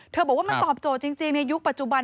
บอกว่ามันตอบโจทย์จริงในยุคปัจจุบัน